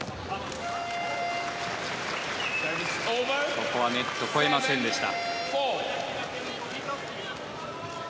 ここはネットを越えませんでした。